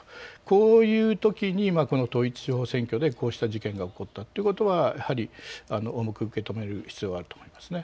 こういうときに統一地方選挙でこうした事件が起こったということは、やはり重く受け止める必要があると思います。